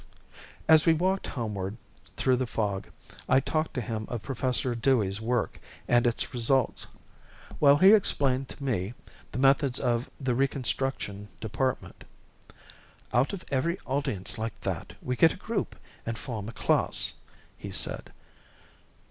As we walked homeward through the fog I talked to him of Professor Dewey's work and its results, while he explained to me the methods of the Reconstruction Department. "Out of every audience like that we get a group and form a class," he said.